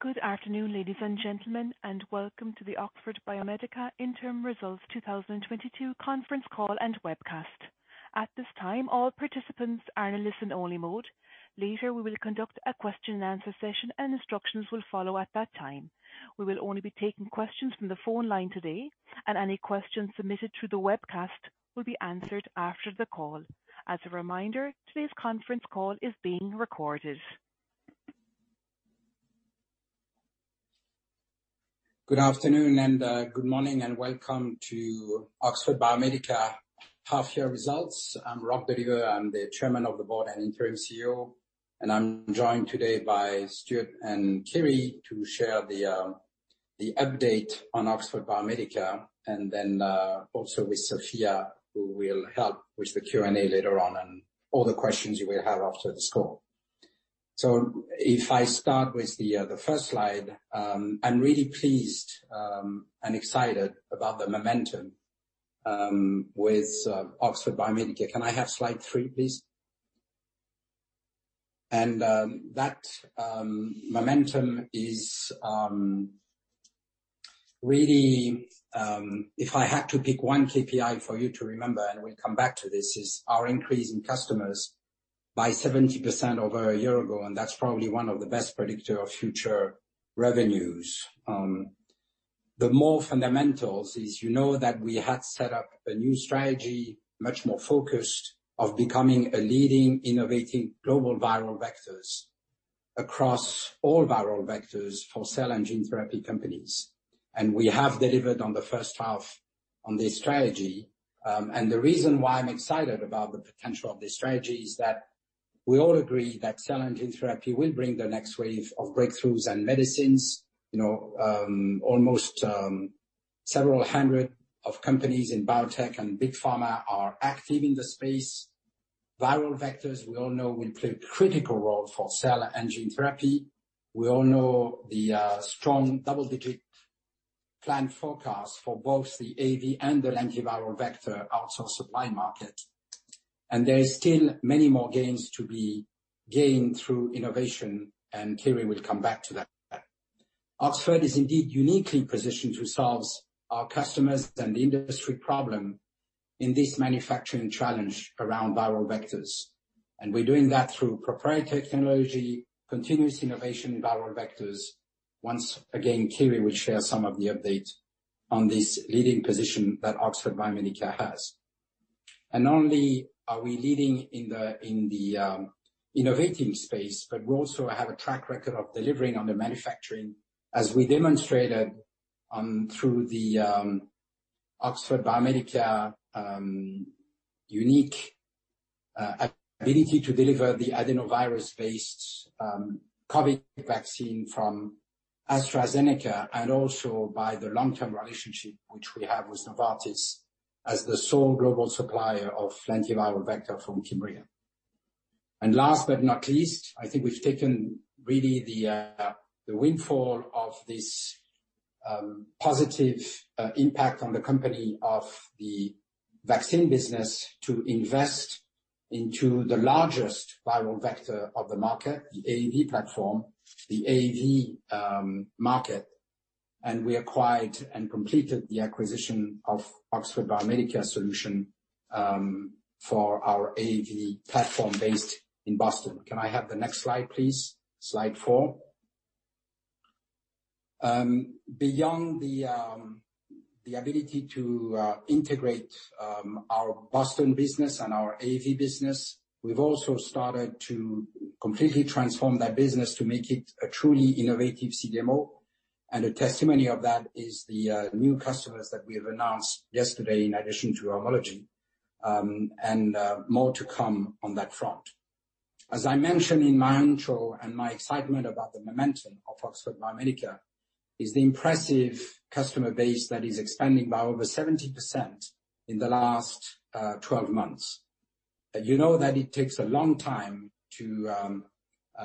Good afternoon, ladies and gentlemen, and welcome to the Oxford Biomedica Interim Results 2022 conference call and webcast. At this time, all participants are in listen-only mode. Later, we will conduct a question and answer session, and instructions will follow at that time. We will only be taking questions from the phone line today, and any questions submitted through the webcast will be answered after the call. As a reminder, today's conference call is being recorded. Good afternoon, and good morning and welcome to Oxford Biomedica half-year results. I'm RochDoliveux. I'm the Chairman of the Board and Interim CEO, and I'm joined today by Stuart and Kyri to share the update on Oxford Biomedica, and then also with Sophia, who will help with the Q&A later on and all the questions you will have after this call. If I start with the first slide, I'm really pleased and excited about the momentum with Oxford Biomedica. Can I have slide three, please? That momentum is really if I had to pick one KPI for you to remember, and we'll come back to this, is our increase in customers by 70% over a year ago, and that's probably one of the best predictor of future revenues. The main fundamentals are you know that we had set up a new strategy, much more focused on becoming a leading, innovative global viral vectors across all viral vectors for cell and gene therapy companies. We have delivered on the first half on this strategy. The reason why I'm excited about the potential of this strategy is that we all agree that cell and gene therapy will bring the next wave of breakthroughs and medicines. You know, almost several hundred companies in biotech and big pharma are active in the space. Viral vectors, we all know, will play a critical role for cell and gene therapy. We all know the strong double-digit planned forecast for both the AAV and the lentiviral vector outsource supply market. There is still many more gains to be gained through innovation, and Kyri will come back to that. Oxford is indeed uniquely positioned to solve our customers and the industry problem in this manufacturing challenge around viral vectors. We're doing that through proprietary technology, continuous innovation in viral vectors. Once again, Kyri will share some of the updates on this leading position that Oxford Biomedica has. Not only are we leading in the innovating space, but we also have a track record of delivering on the manufacturing, as we demonstrated through Oxford Biomedica's unique ability to deliver the adenovirus-based COVID vaccine from AstraZeneca, and also by the long-term relationship which we have with Novartis as the sole global supplier of lentiviral vector for Kymriah. Last but not least, I think we've taken really the windfall of this positive impact on the company of the vaccine business to invest into the largest viral vector of the market, the AAV platform, the AAV market, and we acquired and completed the acquisition of Oxford Biomedica Solutions for our AAV platform based in Boston. Can I have the next slide, please? Slide four. Beyond the ability to integrate our Boston business and our AAV business, we've also started to completely transform that business to make it a truly innovative CDMO. A testimony of that is the new customers that we have announced yesterday in addition to Homology and more to come on that front. As I mentioned in my intro and my excitement about the momentum of Oxford Biomedica is the impressive customer base that is expanding by over 70% in the last 12 months. You know that it takes a long time to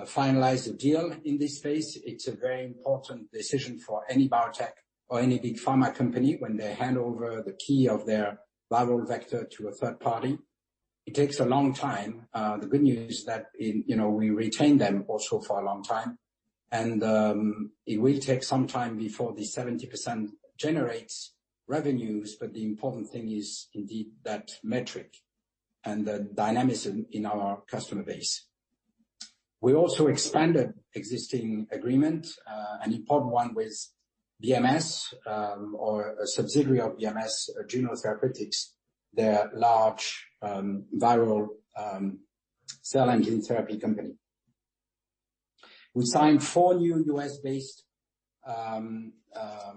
finalize a deal in this space. It's a very important decision for any biotech or any big pharma company when they hand over the key of their viral vector to a third party. It takes a long time. The good news you know, we retain them also for a long time. It will take some time before the 70% generates revenues, but the important thing is indeed that metric and the dynamism in our customer base. We also expanded existing agreement, an important one with BMS, or a subsidiary of BMS, Juno Therapeutics. They are a large viral cell and gene therapy company. We signed four new US-based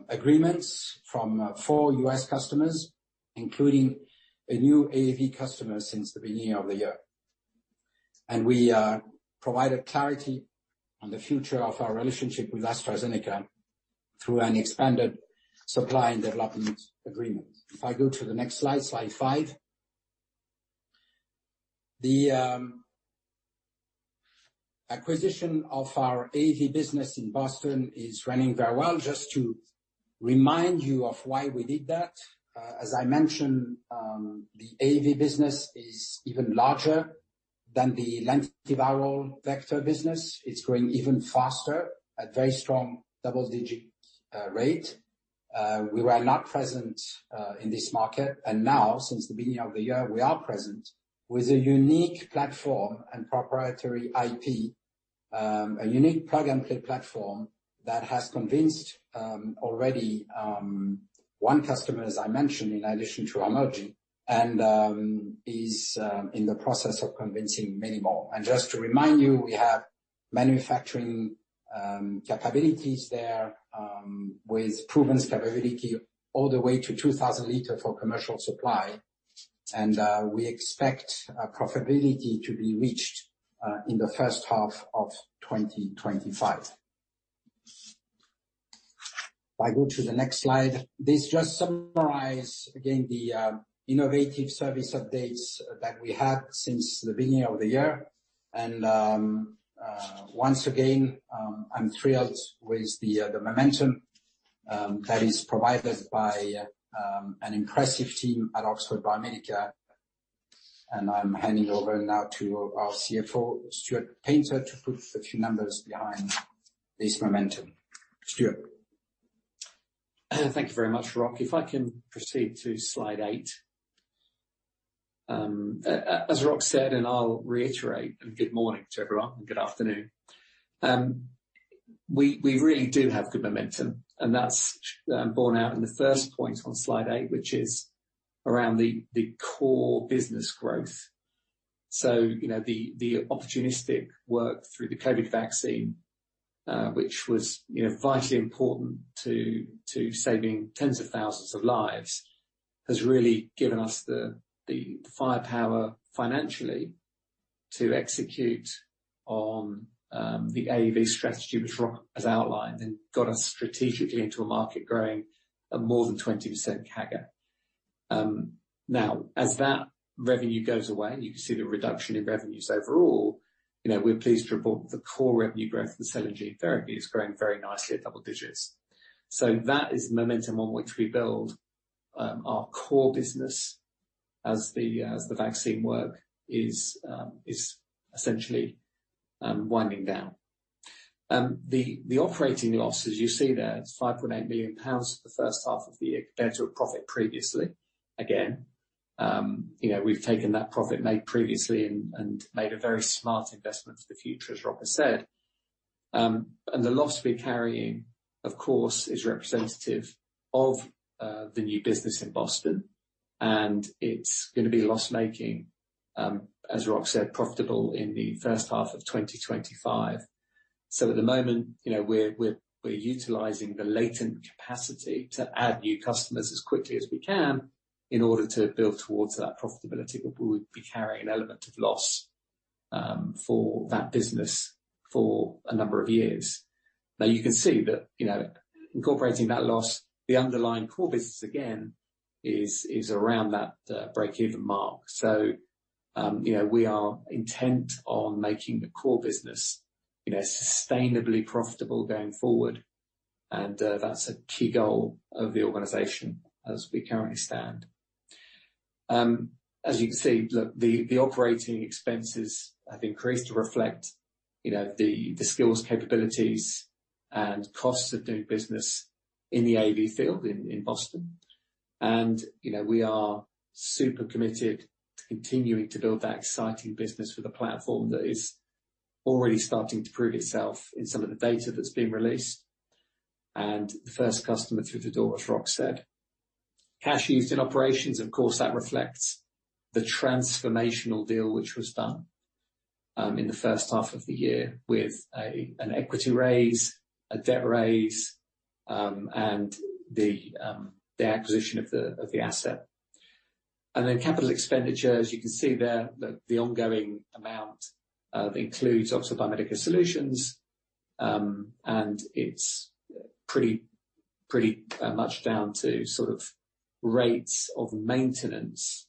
agreements from four U.S. customers, including a new AAV customer since the beginning of the year. We provided clarity on the future of our relationship with AstraZeneca through an expanded supply and development agreement. If I go to the next slide five. The acquisition of our AAV business in Boston is running very well. Just to remind you of why we did that. As I mentioned, the AAV business is even larger than the lentiviral vector business. It's growing even faster at very strong double-digit rate. We were not present in this market, and now since the beginning of the year, we are present with a unique platform and proprietary IP. A unique plug and play platform that has convinced already one customer, as I mentioned, in addition to Emergent, and is in the process of convincing many more. Just to remind you, we have manufacturing capabilities there with proven scalability all the way to 2,000 liters for commercial supply. We expect profitability to be reached in the first half of 2025. If I go to the next slide. This just summarizes, again, the innovative service updates that we had since the beginning of the year. Once again, I'm thrilled with the momentum that is provided by an impressive team at Oxford Biomedica. I'm handing over now to our CFO, Stuart Paynter, to put a few numbers behind this momentum. Stuart. Thank you very much, Roch. If I can proceed to slide eight. As Roch said, and I'll reiterate, and good morning to everyone, and good afternoon. We really do have good momentum, and that's borne out in the first point on slide eight, which is around the core business growth. You know, the opportunistic work through the COVID vaccine, which was, you know, vitally important to saving tens of thousands of lives, has really given us the firepower financially to execute on the AAV strategy, which Roch has outlined, and got us strategically into a market growing at more than 20% CAGR. Now, as that revenue goes away, and you can see the reduction in revenues overall, you know, we're pleased to report the core revenue growth in cell and gene therapy is growing very nicely at double digits. That is the momentum on which we build our core business as the vaccine work is essentially winding down. The operating losses you see there, it's 5.8 million pounds for the first half of the year compared to a profit previously. Again, you know, we've taken that profit made previously and made a very smart investment for the future, as Roch has said. The loss we're carrying, of course, is representative of the new business in Boston, and it's gonna be loss-making, as Roch said, profitable in the first half of 2025. At the moment, you know, we're utilizing the latent capacity to add new customers as quickly as we can in order to build towards that profitability, but we'll be carrying an element of loss for that business for a number of years. Now, you can see that, you know, incorporating that loss, the underlying core business again is around that break-even mark. You know, we are intent on making the core business, you know, sustainably profitable going forward, and that's a key goal of the organization as we currently stand. As you can see, the operating expenses have increased to reflect, you know, the skills, capabilities, and costs of doing business in the AAV field in Boston. You know, we are super committed to continuing to build that exciting business with a platform that is already starting to prove itself in some of the data that's been released. The first customer through the door, as Roch said. Cash used in operations, of course, that reflects the transformational deal which was done in the first half of the year with an equity raise, a debt raise, and the acquisition of the asset. Capital expenditures, you can see there that the ongoing amount includes Oxford Biomedica Solutions, and it's pretty much down to sort of rates of maintenance.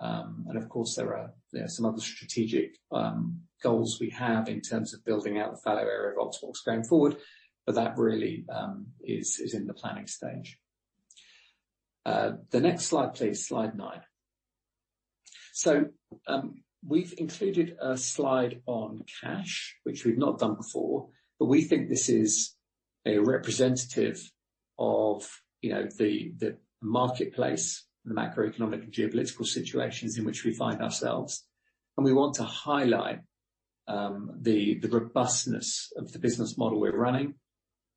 Of course, there are some other strategic goals we have in terms of building out the fallow area of Oxbox going forward, but that really is in the planning stage. The next slide, please. Slide nine. We've included a slide on cash, which we've not done before, but we think this is a representative of, you know, the marketplace and the macroeconomic and geopolitical situations in which we find ourselves. We want to highlight the robustness of the business model we're running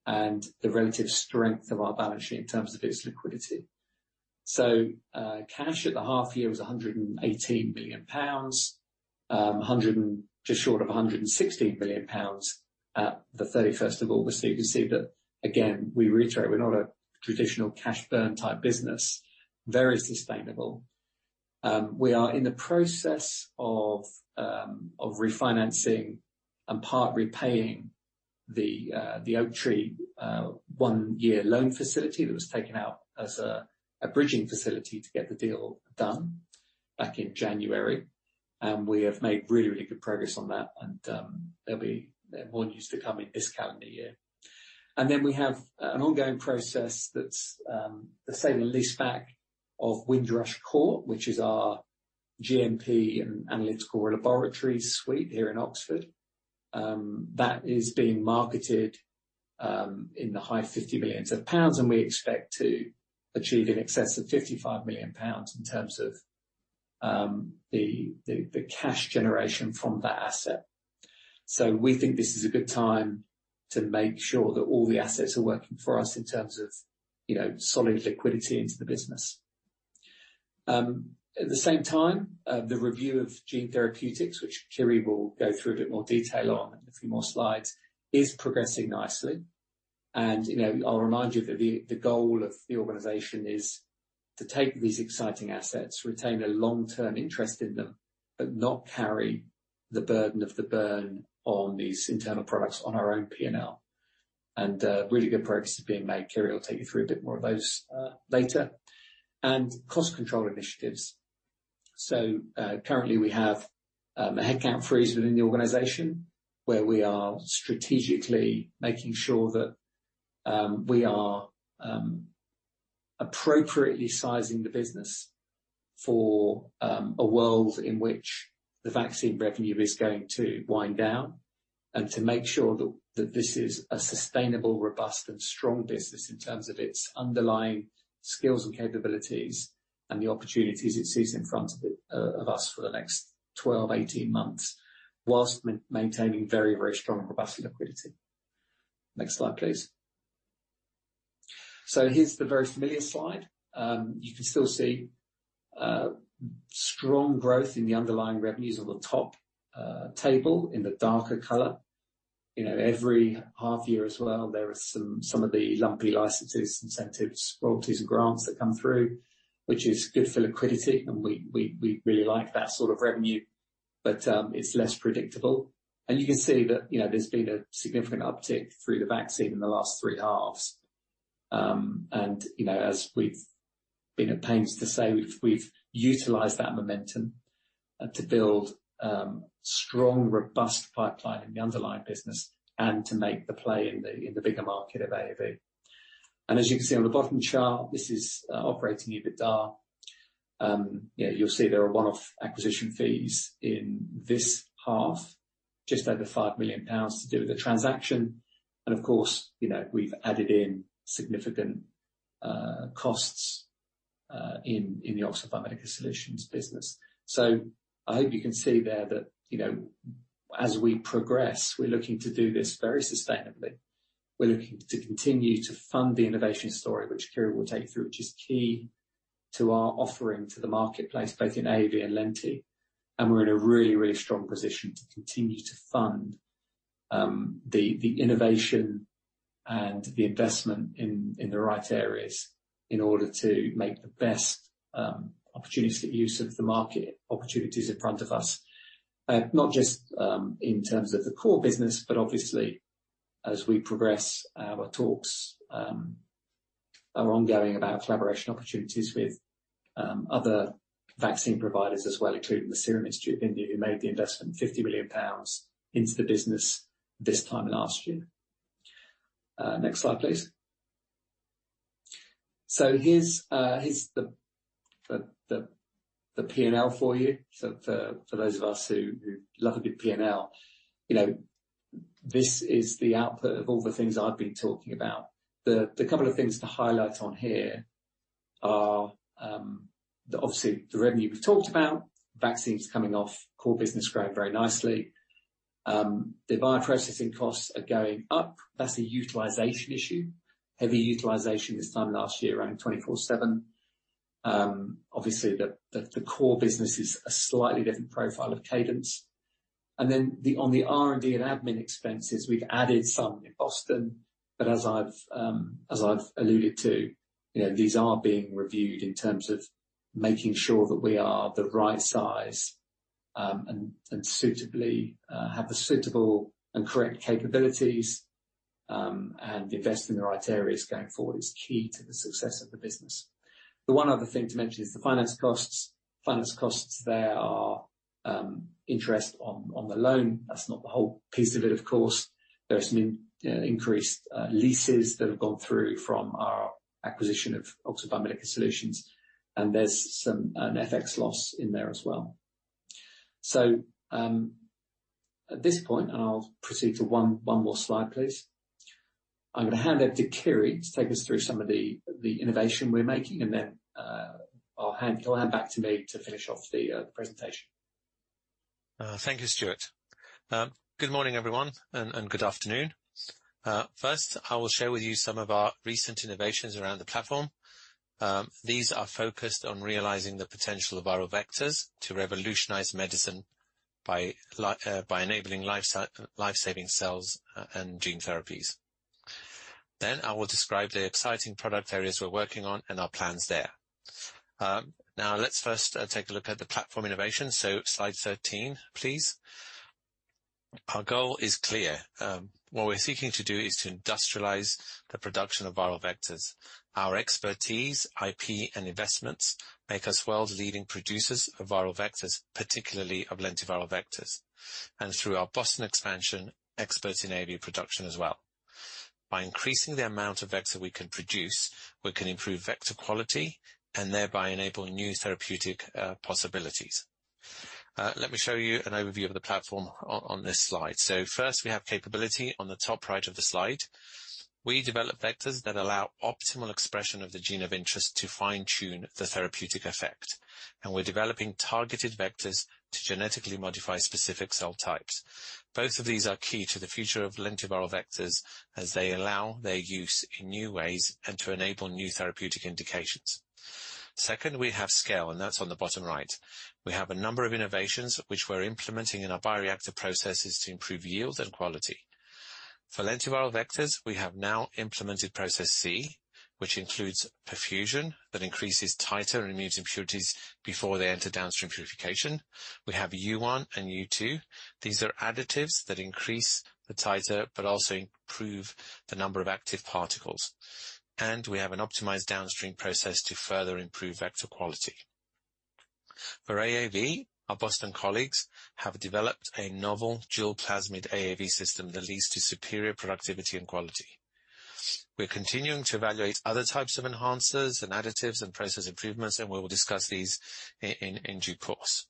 and the relative strength of our balance sheet in terms of its liquidity. Cash at the half year was 118 million pounds, just short of 116 million pounds at the 31st of August. You can see that again, we reiterate, we're not a traditional cash burn type business. Very sustainable. We are in the process of refinancing and part repaying the Oaktree one-year loan facility that was taken out as a bridging facility to get the deal done back in January. We have made really good progress on that. There'll be more news to come in this calendar year. Then we have an ongoing process that's the sale and leaseback of Windrush Court, which is our GMP and analytical laboratory suite here in Oxford, that is being marketed in the high 50 million pounds, and we expect to achieve in excess of 55 million pounds in terms of the cash generation from that asset. We think this is a good time to make sure that all the assets are working for us in terms of, you know, solid liquidity into the business. At the same time, the review of gene therapeutics, which Kyri will go through a bit more detail on a few more slides, is progressing nicely. You know, I'll remind you that the goal of the organization is to take these exciting assets, retain a long-term interest in them, but not carry the burden of the burn on these internal products on our own P&L. Really good progress is being made. Kyri will take you through a bit more of those later. Cost control initiatives. Currently we have a headcount freeze within the organization where we are strategically making sure that we are appropriately sizing the business for a world in which the vaccine revenue is going to wind down and to make sure that that this is a sustainable, robust and strong business in terms of its underlying skills and capabilities and the opportunities it sees in front of it of us for the next 12-18 months, while maintaining very, very strong, robust liquidity. Next slide, please. Here's the very familiar slide. You can still see strong growth in the underlying revenues on the top table in the darker color. You know, every half year as well, there are some of the lumpy licenses, incentives, royalties and grants that come through, which is good for liquidity. We really like that sort of revenue, but it's less predictable. You can see that, you know, there's been a significant uptick through the vaccine in the last three halves. You know, as we've been at pains to say, we've utilized that momentum to build strong, robust pipeline in the underlying business and to make the play in the bigger market of AAV. As you can see on the bottom chart, this is operating EBITDA. Yeah, you'll see there are one-off acquisition fees in this half, just over 5 million pounds to do with the transaction. Of course, you know, we've added in significant costs in the Oxford Biomedica Solutions business. I hope you can see there that, you know, as we progress, we're looking to do this very sustainably. We're looking to continue to fund the innovation story which Kyri will take through, which is key to our offering to the marketplace, both in AAV and Lenti. We're in a really strong position to continue to fund the innovation and the investment in the right areas in order to make the best opportunistic use of the market opportunities in front of us, not just in terms of the core business, but obviously as we progress, our talks are ongoing about collaboration opportunities with other vaccine providers as well, including the Serum Institute of India, who made the investment 50 million pounds into the business this time last year. Next slide, please. Here's the P&L for you. For those of us who love a good P&L, you know, this is the output of all the things I've been talking about. The couple of things to highlight on here are, obviously the revenue we've talked about, vaccines coming off, core business growing very nicely. The bioprocessing costs are going up. That's a utilization issue. Heavy utilization this time last year, running 24/7. Obviously the core business is a slightly different profile of cadence. On the R&D and admin expenses, we've added some in Boston. As I've alluded to, you know, these are being reviewed in terms of making sure that we are the right size, and suitably have the suitable and correct capabilities, and invest in the right areas going forward is key to the success of the business. The one other thing to mention is the finance costs. Finance costs there are interest on the loan. That's not the whole piece of it, of course. There are some increased leases that have gone through from our acquisition of Oxford Biomedica Solutions, and there's an FX loss in there as well. At this point, I'll proceed to one more slide, please. I'm gonna hand over to Kyri to take us through some of the innovation we're making. He'll hand back to me to finish off the presentation. Thank you, Stuart. Good morning, everyone, and good afternoon. First, I will share with you some of our recent innovations around the platform. These are focused on realizing the potential of viral vectors to revolutionize medicine by enabling life-saving cell and gene therapies. I will describe the exciting product areas we're working on and our plans there. Let's first take a look at the platform innovation. Slide 13, please. Our goal is clear. What we're seeking to do is to industrialize the production of viral vectors. Our expertise, IP, and investments make us world's leading producers of viral vectors, particularly of lentiviral vectors, and through our Boston expansion, experts in AAV production as well. By increasing the amount of vector we can produce, we can improve vector quality and thereby enabling new therapeutic possibilities. Let me show you an overview of the platform on this slide. First, we have capability on the top right of the slide. We develop vectors that allow optimal expression of the gene of interest to fine-tune the therapeutic effect, and we're developing targeted vectors to genetically modify specific cell types. Both of these are key to the future of lentiviral vectors as they allow their use in new ways and to enable new therapeutic indications. Second, we have scale, and that's on the bottom right. We have a number of innovations which we're implementing in our bioreactor processes to improve yield and quality. For lentiviral vectors, we have now implemented process C, which includes perfusion that increases titer and removes impurities before they enter downstream purification. We have U1 and U2. These are additives that increase the titer but also improve the number of active particles. We have an optimized downstream process to further improve vector quality. For AAV, our Boston colleagues have developed a novel dual plasmid AAV system that leads to superior productivity and quality. We're continuing to evaluate other types of enhancers and additives and process improvements, and we will discuss these in due course.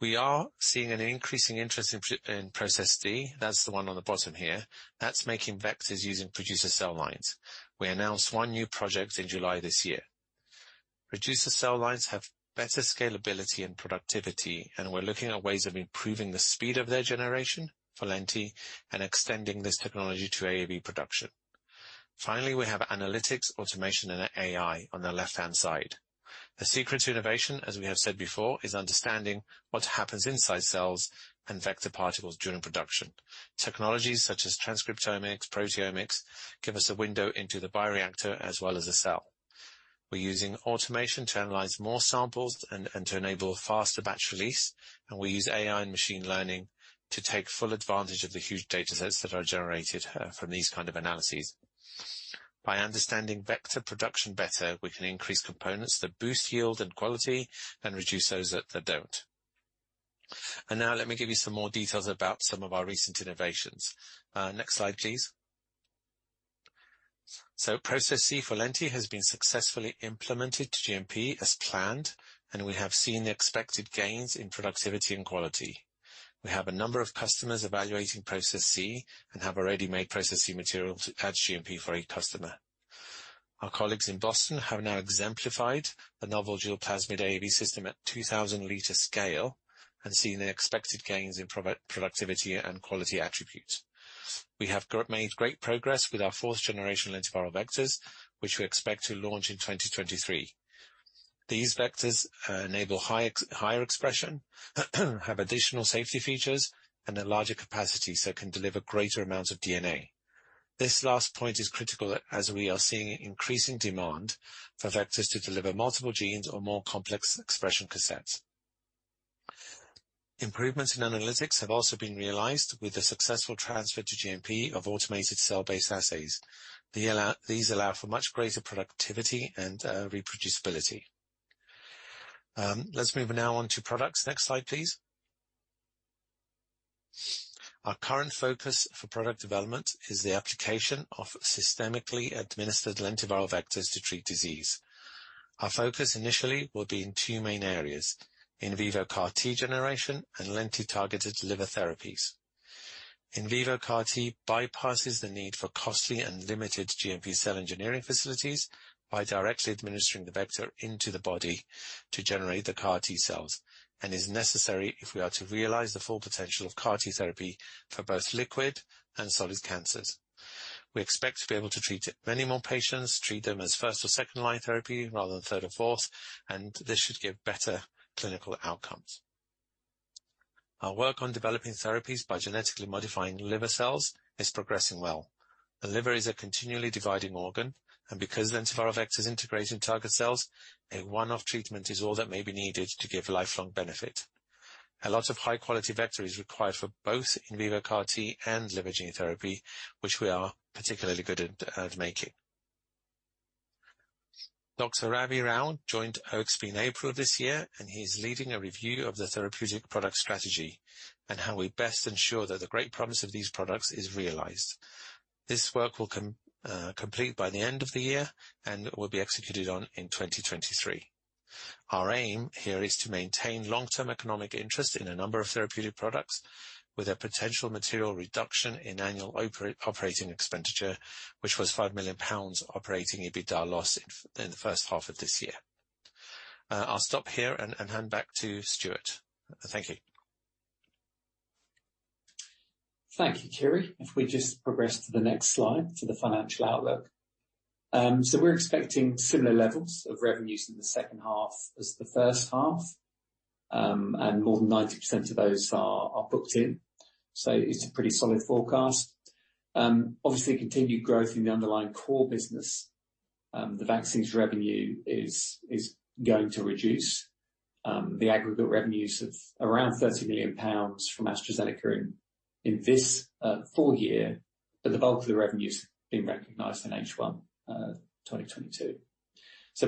We are seeing an increasing interest in process D. That's the one on the bottom here. That's making vectors using producer cell lines. We announced one new project in July this year. Producer cell lines have better scalability and productivity, and we're looking at ways of improving the speed of their generation for lenti and extending this technology to AAV production. Finally, we have analytics, automation, and AI on the left-hand side. The secret to innovation, as we have said before, is understanding what happens inside cells and vector particles during production. Technologies such as transcriptomics, proteomics give us a window into the bioreactor as well as the cell. We're using automation to analyze more samples and to enable faster batch release, and we use AI and machine learning to take full advantage of the huge datasets that are generated from these kind of analyses. By understanding vector production better, we can increase components that boost yield and quality and reduce those that don't. Now let me give you some more details about some of our recent innovations. Next slide, please. Process C for lenti has been successfully implemented to GMP as planned, and we have seen the expected gains in productivity and quality. We have a number of customers evaluating process C and have already made process C materials at GMP for a customer. Our colleagues in Boston have now exemplified the novel dual plasmid AAV system at 2,000-liter scale and seen the expected gains in pro-productivity and quality attributes. We have made great progress with our fourth generation lentiviral vectors, which we expect to launch in 2023. These vectors enable higher expression, have additional safety features and a larger capacity, so can deliver greater amounts of DNA. This last point is critical as we are seeing increasing demand for vectors to deliver multiple genes or more complex expression cassettes. Improvements in analytics have also been realized with the successful transfer to GMP of automated cell-based assays. These allow for much greater productivity and reproducibility. Let's move now on to products. Next slide, please. Our current focus for product development is the application of systemically administered lentiviral vectors to treat disease. Our focus initially will be in two main areas, in vivo CAR-T generation and lenti-targeted liver therapies. In vivo CAR-T bypasses the need for costly and limited GMP cell engineering facilities by directly administering the vector into the body to generate the CAR-T cells and is necessary if we are to realize the full potential of CAR-T therapy for both liquid and solid cancers. We expect to be able to treat many more patients, treat them as first or second-line therapy rather than third or fourth, and this should give better clinical outcomes. Our work on developing therapies by genetically modifying liver cells is progressing well. The liver is a continually dividing organ, and because lentiviral vectors integrate in target cells, a one-off treatment is all that may be needed to give lifelong benefit. A lot of high-quality vector is required for both in vivo CAR-T and liver gene therapy, which we are particularly good at making. Dr. Ravi Rao joined OXB in April this year, and he's leading a review of the therapeutic product strategy and how we best ensure that the great promise of these products is realized. This work will complete by the end of the year and will be executed on in 2023. Our aim here is to maintain long-term economic interest in a number of therapeutic products with a potential material reduction in annual operating expenditure, which was 5 million pounds operating EBITDA loss in the first half of this year. I'll stop here and hand back to Stuart. Thank you. Thank you, Kyri. If we just progress to the next slide for the financial outlook. We're expecting similar levels of revenues in the second half as the first half, and more than 90% of those are booked in. It's a pretty solid forecast. Obviously, continued growth in the underlying core business, the vaccines revenue is going to reduce the aggregate revenues of around £30 million from AstraZeneca in this full year, but the bulk of the revenue is being recognized in H1 2022.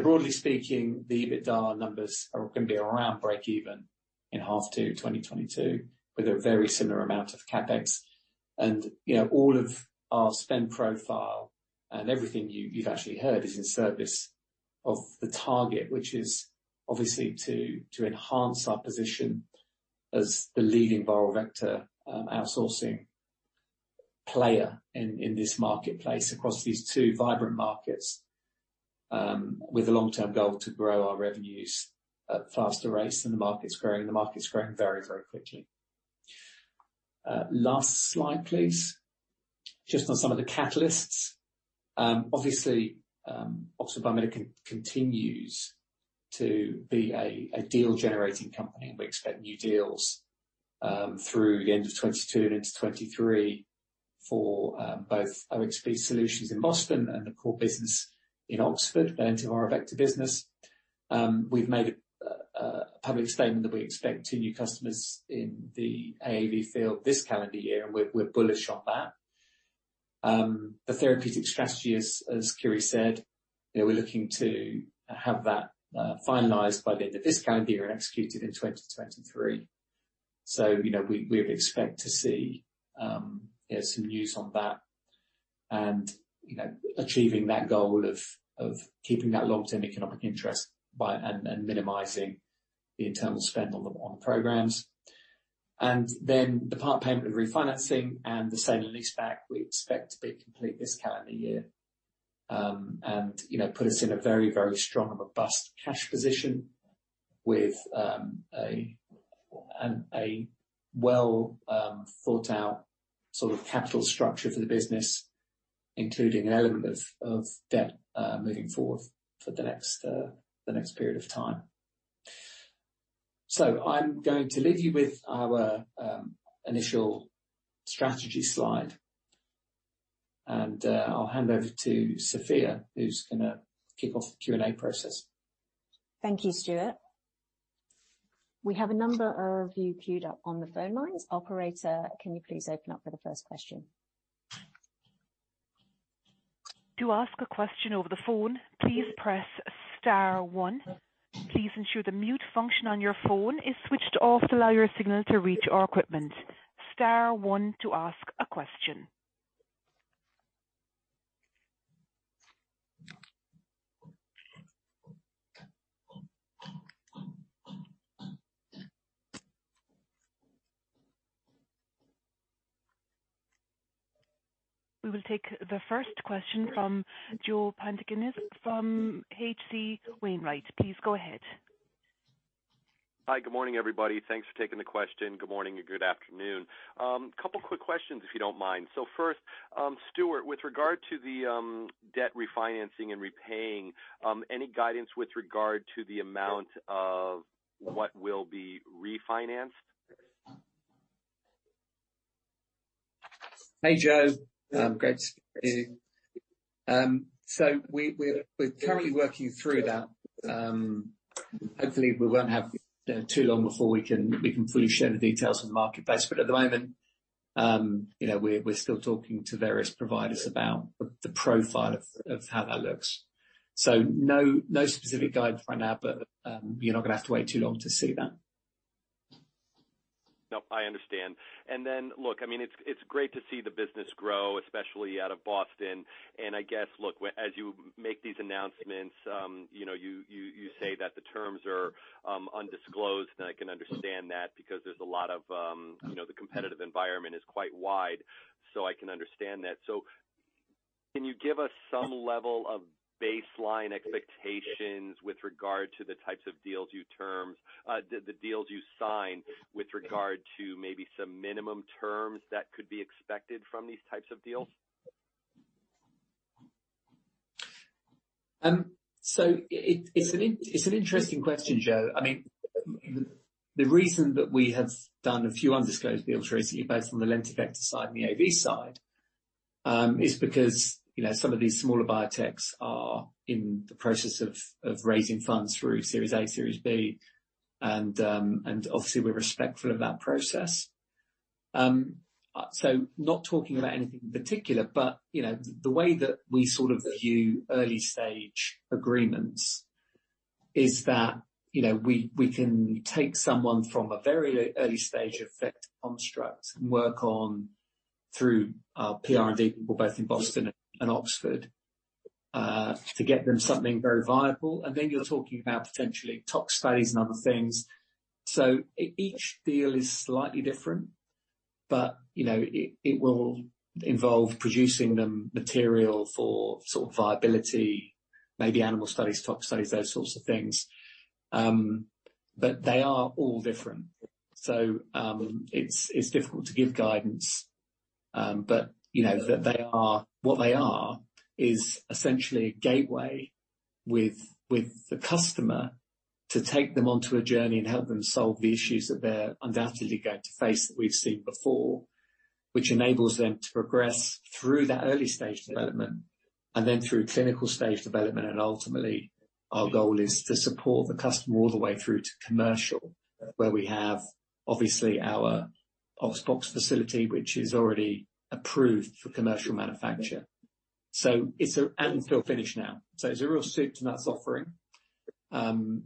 Broadly speaking, the EBITDA numbers are gonna be around breakeven in H2 2022, with a very similar amount of CapEx. You know, all of our spend profile and everything you've actually heard is in service of the target, which is obviously to enhance our position as the leading viral vector outsourcing player in this marketplace across these two vibrant markets, with a long-term goal to grow our revenues at faster rates than the market's growing. The market's growing very, very quickly. Last slide, please. Just on some of the catalysts. Obviously, Oxford Biomedica continues to be a deal-generating company, and we expect new deals through the end of 2022 and into 2023 for both OxP Solutions in Boston and the core business in Oxford, lentiviral vector business. We've made a public statement that we expect 2 new customers in the AAV field this calendar year, and we're bullish on that. The therapeutic strategy, as Kyri said, you know, we're looking to have that finalized by the end of this calendar year and executed in 2023. You know, we would expect to see some news on that and achieving that goal of keeping that long-term economic interest by and minimizing the internal spend on the programs. Then the part payment refinancing and the sale and lease back, we expect to be complete this calendar year and put us in a very strong and robust cash position with a well thought out sort of capital structure for the business, including an element of debt moving forward for the next period of time. I'm going to leave you with our initial strategy slide, and I'll hand over to Sophia, who's gonna kick off the Q&A process. Thank you, Stuart. We have a number of you queued up on the phone lines. Operator, can you please open up for the first question? To ask a question over the phone, please press star one. Please ensure the mute function on your phone is switched off to allow your signal to reach our equipment. Star one to ask a question. We will take the first question from Joe Pantginis from H.C. Wainwright & Co. Please go ahead. Hi, good morning, everybody. Thanks for taking the question. Good morning or good afternoon. Couple quick questions, if you don't mind. First, Stuart, with regard to the debt refinancing and repaying, any guidance with regard to the amount of what will be refinanced? Hey, Joe. Great to see you. We're currently working through that. Hopefully, we won't have you know too long before we can fully share the details with the marketplace. At the moment, you know, we're still talking to various providers about the profile of how that looks. No specific guidance right now, but you're not gonna have to wait too long to see that. No, I understand. Look, I mean, it's great to see the business grow, especially out of Boston. I guess, look, as you make these announcements, you know, you say that the terms are undisclosed, and I can understand that because there's a lot of, you know, the competitive environment is quite wide, so I can understand that. Can you give us some level of baseline expectations with regard to the types of deals you term, the deals you sign with regard to maybe some minimum terms that could be expected from these types of deals? It's an interesting question, Joe. I mean, the reason that we have done a few undisclosed deals with you both on the LentiVector side and the AAV side, is because, you know, some of these smaller biotechs are in the process of raising funds through Series A, Series B, and obviously we're respectful of that process. Not talking about anything in particular, but you know, the way that we sort of view early-stage agreements is that, you know, we can take someone from a very early stage of vector construct and work on through our process R&D people both in Boston and Oxford, to get them something very viable. Then you're talking about potentially tox studies and other things. Each deal is slightly different, but you know, it will involve producing the material for sort of viability, maybe animal studies, tox studies, those sorts of things. But they are all different. It's difficult to give guidance, but you know, they are what they are is essentially a gateway with the customer to take them onto a journey and help them solve the issues that they're undoubtedly going to face that we've seen before, which enables them to progress through that early stage development and then through clinical stage development. Ultimately, our goal is to support the customer all the way through to commercial, where we have, obviously, our OxBox facility, which is already approved for commercial manufacture. It's a and fill finish now. It's a real soup to nuts offering. You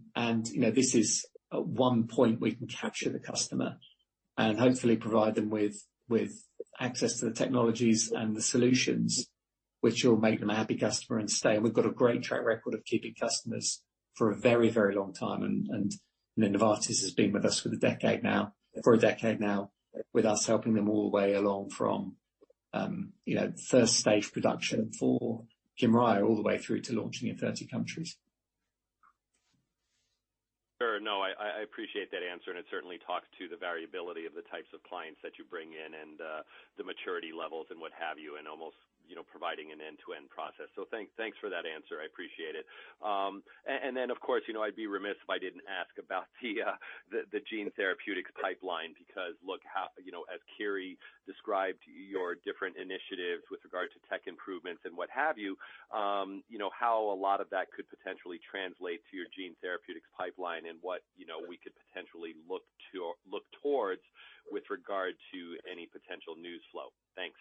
know, this is one point we can capture the customer and hopefully provide them with access to the technologies and the solutions which will make them a happy customer and stay. We've got a great track record of keeping customers for a very, very long time. Novartis has been with us for a decade now, with us helping them all the way along from, you know, first stage production for Kymriah, all the way through to launching in 30 countries. Sure. No, I appreciate that answer, and it certainly talks to the variability of the types of clients that you bring in and the maturity levels and what have you, and almost, you know, providing an end-to-end process. Thanks for that answer. I appreciate it. And then, of course, you know, I'd be remiss if I didn't ask about the gene therapeutics pipeline, because look, how, you know, as Kyri described your different initiatives with regard to tech improvements and what have you know, how a lot of that could potentially translate to your gene therapeutics pipeline and what, you know, we could potentially look to or look towards with regard to any potential news flow. Thanks.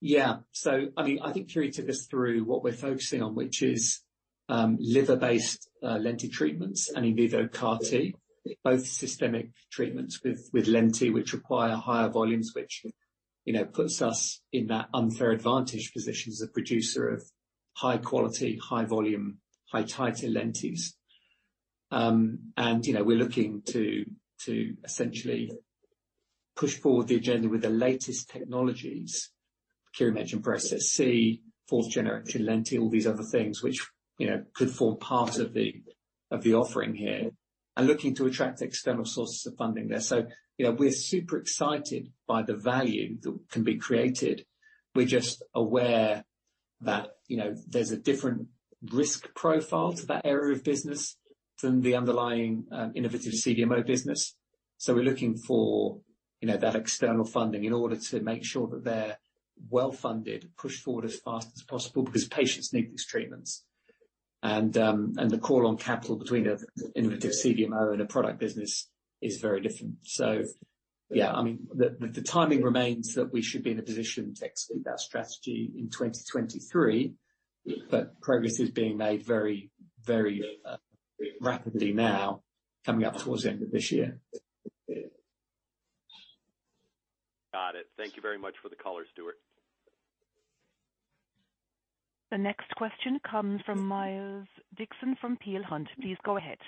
Yeah. I mean, I think Kyri took us through what we're focusing on, which is liver-based lenti treatments and in vivo CAR-T, both systemic treatments with lenti, which require higher volumes, which, you know, puts us in that unfair advantage position as a producer of high quality, high volume, high titer lentis. You know, we're looking to essentially push forward the agenda with the latest technologies. Kyri mentioned process C, fourth generation lenti, all these other things which, you know, could form part of the offering here, and looking to attract external sources of funding there. You know, we're super excited by the value that can be created. We're just aware that, you know, there's a different risk profile to that area of business than the underlying innovative CDMO business. We're looking for, you know, that external funding in order to make sure that they're well-funded, pushed forward as fast as possible because patients need these treatments. The call on capital between an innovative CDMO and a product business is very different. Yeah, I mean, the timing remains that we should be in a position to execute that strategy in 2023, but progress is being made very rapidly now coming up towards the end of this year. Got it. Thank you very much for the color, Stuart. The next question comes from Miles Dixon from Peel Hunt. Please go ahead.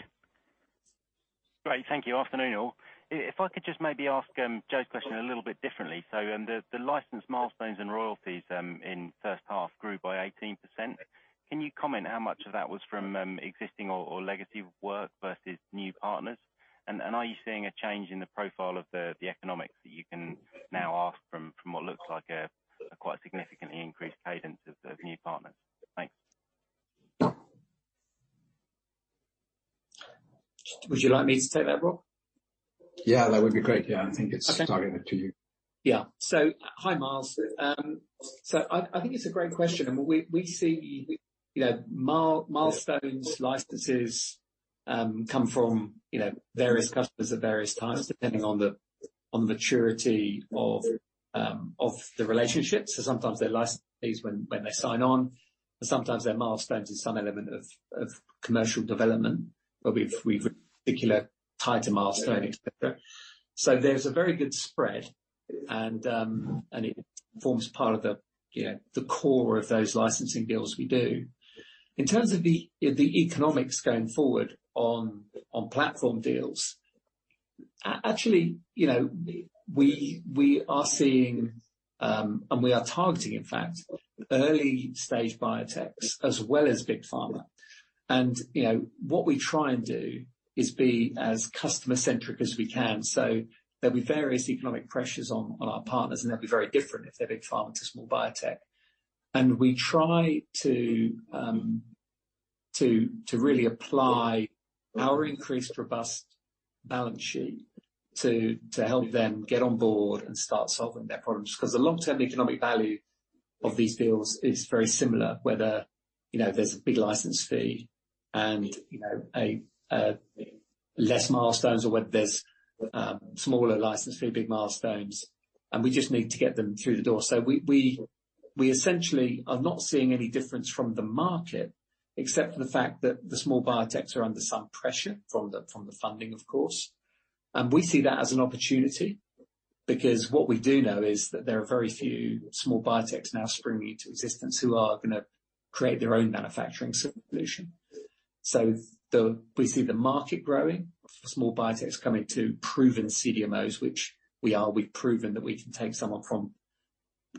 Great. Thank you. Afternoon, all. If I could just maybe ask Joe's question a little bit differently. The license milestones and royalties in first half grew by 18%. Can you comment how much of that was from existing or legacy work versus new partners? Are you seeing a change in the profile of the economics that you can now ask from what looks like a quite significantly increased cadence of new partners? Thanks. Would you like me to take that, Roch? Yeah, that would be great. Yeah, I think it's Okay. Targeted to you. Yeah. Hi, Miles. I think it's a great question and we see, you know, milestones, licenses come from, you know, various customers at various times, depending on the maturity of the relationships. Sometimes they're licensees when they sign on, and sometimes they're milestones in some element of commercial development, where we've particularly tied to milestones. There's a very good spread and it forms part of the core of those licensing deals we do. In terms of the economics going forward on platform deals, actually, you know, we are seeing and we are targeting, in fact, early-stage biotechs as well as big pharma. You know, what we try and do is be as customer-centric as we can. There'll be various economic pressures on our partners, and they'll be very different if they're big pharma to small biotech. We try to really apply our increased robust balance sheet to help them get on board and start solving their problems 'cause the long-term economic value of these deals is very similar, whether, you know, there's a big license fee and, you know, a less milestones or whether there's smaller license fee, big milestones, and we just need to get them through the door. We essentially are not seeing any difference from the market except for the fact that the small biotechs are under some pressure from the funding, of course. We see that as an opportunity because what we do know is that there are very few small biotechs now springing into existence who are gonna create their own manufacturing solution. So we see the market growing for small biotechs coming to proven CDMOs, which we are. We've proven that we can take someone from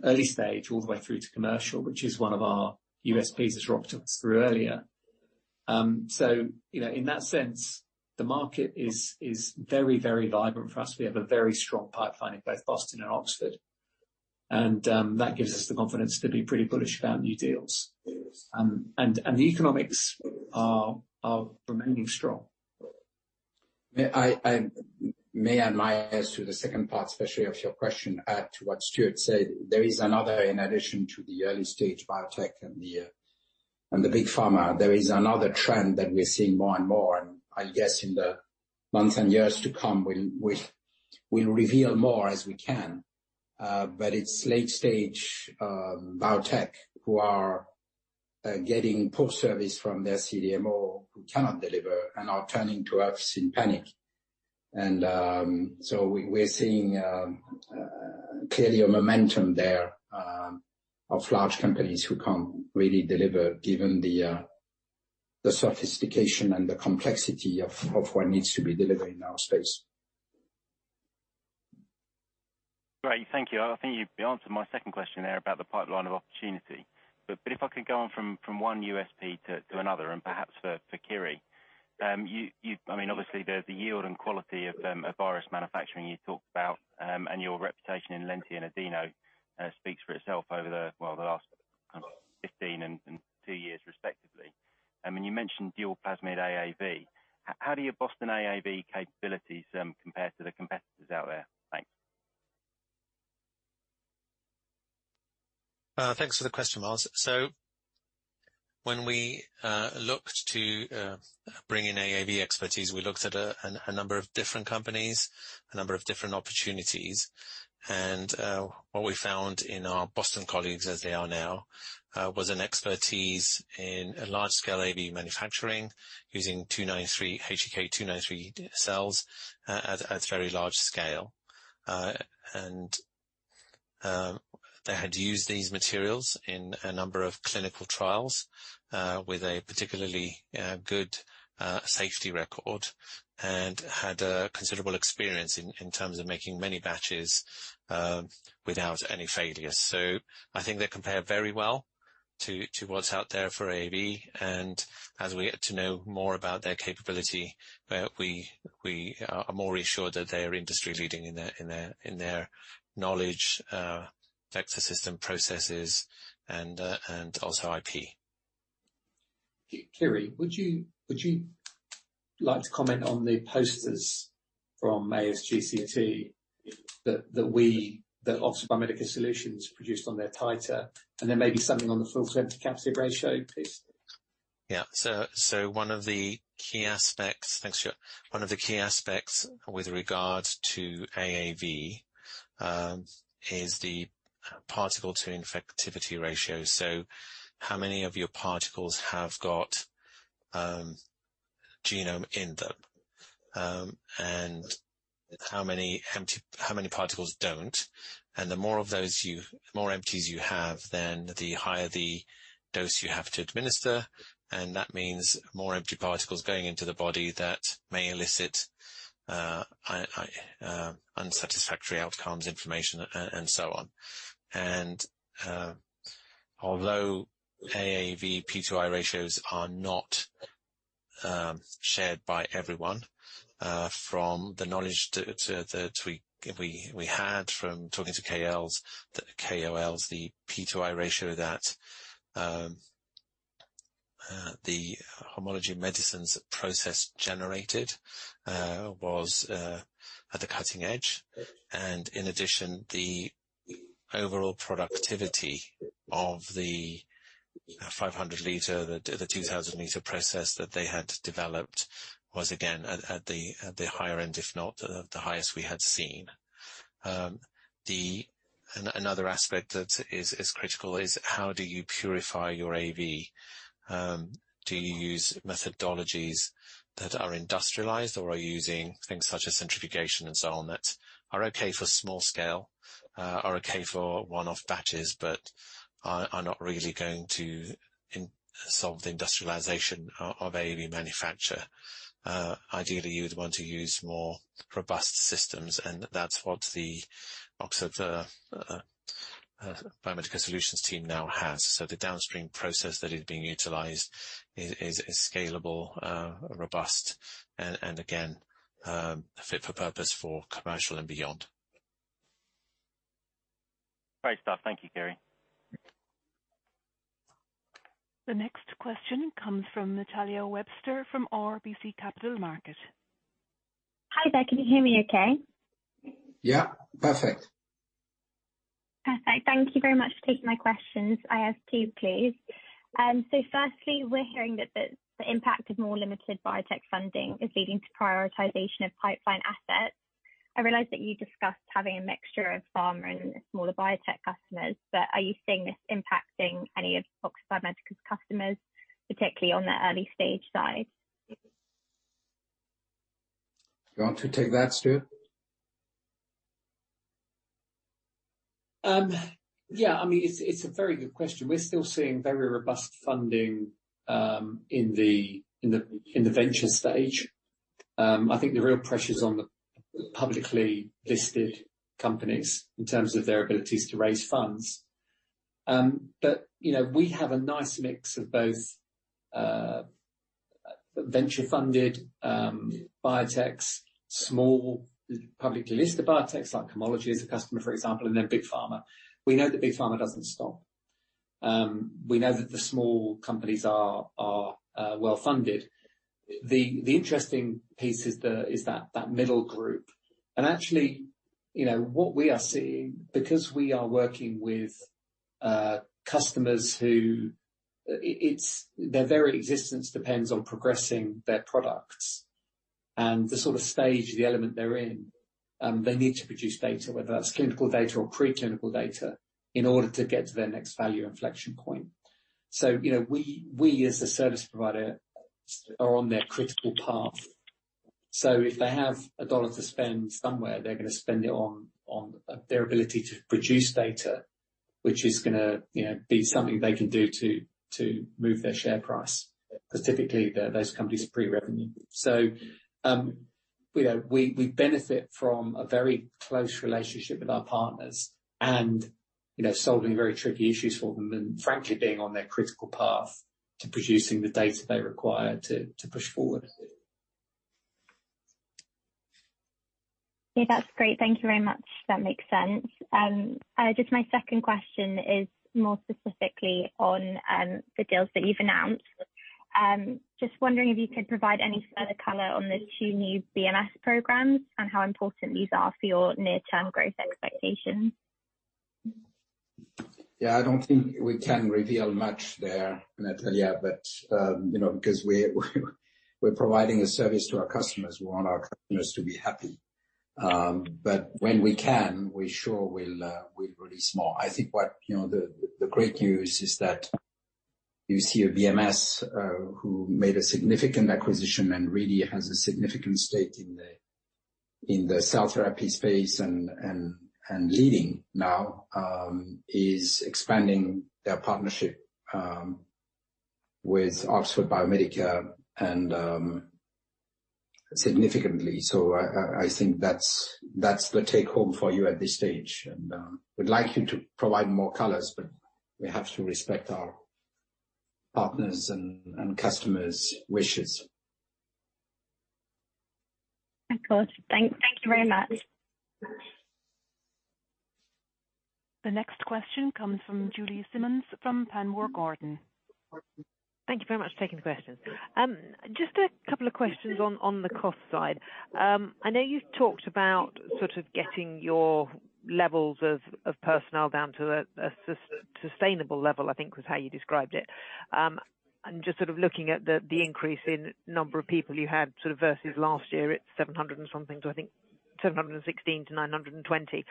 early stage all the way through to commercial, which is one of our USPs, as Roch took us through earlier. So, you know, in that sense, the market is very vibrant for us. We have a very strong pipeline in both Boston and Oxford, and that gives us the confidence to be pretty bullish about new deals. And the economics are remaining strong. May I add, as to the second part especially of your question, to what Stuart said, there is another in addition to the early-stage biotech and the big pharma. There is another trend that we're seeing more and more, and I guess in the months and years to come, we'll reveal more as we can. It's late-stage biotech who are getting poor service from their CDMO who cannot deliver and are turning to us in panic. We're seeing clearly a momentum there of large companies who can't really deliver given the sophistication and the complexity of what needs to be delivered in our space. Great. Thank you. I think you've answered my second question there about the pipeline of opportunity. If I could go on from one USP to another and perhaps for Kyri. I mean, obviously there's the yield and quality of a virus manufacturing you talked about, and your reputation in Lenti and Adeno speaks for itself over the, well, the last kind of 15 and 2 years respectively. I mean, you mentioned dual plasmid AAV. How do your Boston AAV capabilities compare to the competitors out there? Thanks. Thanks for the question, Miles. When we looked to bring in AAV expertise, we looked at a number of different companies, a number of different opportunities. What we found in our Boston colleagues, as they are now, was an expertise in large scale AAV manufacturing using HEK293 cells at very large scale. They had used these materials in a number of clinical trials with a particularly good safety record and had a considerable experience in terms of making many batches without any failures. I think they compare very well to what's out there for AAV. As we get to know more about their capability, we are more reassured that they are industry-leading in their knowledge, vector system processes and also IP. Kyri, would you like to comment on the posters from ASGCT that Oxford Biomedica Solutions produced on their titer? Then maybe something on the full-to-empty capsid ratio, please. One of the key aspects. Thanks, Stuart. One of the key aspects with regards to AAV is the particle to infectivity ratio. How many of your particles have got genome in them and how many particles don't? The more empties you have, then the higher the dose you have to administer, and that means more empty particles going into the body that may elicit unsatisfactory outcomes, inflammation and so on. Although AAV P to I ratios are not shared by everyone, from the knowledge that we had from talking to KOLs, the P to I ratio that the Homology Medicines process generated was at the cutting edge. In addition, the overall productivity of the 500-liter, the 2,000-liter process that they had developed was again at the higher end, if not the highest we had seen. Another aspect that is critical is how do you purify your AAV? Do you use methodologies that are industrialized or are using things such as centrifugation and so on that are okay for small scale, are okay for one-off batches, but are not really going to solve the industrialization of AAV manufacture. Ideally you would want to use more robust systems, and that's what the Oxford Biomedica Solutions team now has. The downstream process that is being utilized is scalable, robust and again, fit for purpose for commercial and beyond. Great stuff. Thank you, Kyri. The next question comes from Natalia Webster from RBC Capital Markets. Hi there. Can you hear me okay? Yeah. Perfect. Perfect. Thank you very much for taking my questions. I have two, please. Firstly, we're hearing that the impact of more limited biotech funding is leading to prioritization of pipeline assets. I realize that you discussed having a mixture of pharma and smaller biotech customers, but are you seeing this impacting any of Oxford Biomedica's customers, particularly on the early stage side? Do you want to take that, Stuart? Yeah, I mean, it's a very good question. We're still seeing very robust funding in the venture stage. I think the real pressure's on the publicly listed companies in terms of their abilities to raise funds. You know, we have a nice mix of both, venture-funded biotechs, small publicly listed biotechs like Homology as a customer, for example, and then Big Pharma. We know that Big Pharma doesn't stop. We know that the small companies are well-funded. The interesting piece is that middle group. Actually, you know, what we are seeing, because we are working with customers who it's their very existence depends on progressing their products and the sort of stage, the element they're in, they need to produce data, whether that's clinical data or pre-clinical data, in order to get to their next value inflection point. You know, we as a service provider are on their critical path. If they have a dollar to spend somewhere, they're gonna spend it on their ability to produce data, which is gonna, you know, be something they can do to move their share price 'cause typically those companies are pre-revenue. You know, we benefit from a very close relationship with our partners and, you know, solving very tricky issues for them and frankly, being on their critical path to producing the data they require to push forward. Yeah, that's great. Thank you very much. That makes sense. Just my second question is more specifically on the deals that you've announced. Just wondering if you could provide any further color on the two new BMS programs and how important these are for your near-term growth expectations. Yeah. I don't think we can reveal much there, Natalia. You know, because we're providing a service to our customers, we want our customers to be happy. But when we can, we sure will release more. I think what, you know, the great news is that you see a BMS who made a significant acquisition and really has a significant stake in the cell therapy space and leading now is expanding their partnership with Oxford Biomedica and significantly. I think that's the take home for you at this stage. We'd like you to provide more color, but we have to respect our partners' and customers' wishes. Of course. Thank you very much. The next question comes from Julie Simmonds from Panmure Gordon. Thank you very much for taking the question. Just a couple of questions on the cost side. I know you've talked about sort of getting your levels of personnel down to a sustainable level, I think was how you described it. Just sort of looking at the increase in number of people you had sort of versus last year, it's 700-something. So I think 716 to 920.